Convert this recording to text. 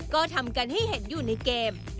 ก็ทำกันให้เห็นอยู่ในเกม